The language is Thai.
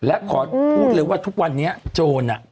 และขอพูดเลยว่าทุกวันนี้โจร